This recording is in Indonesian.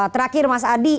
terakhir mas adi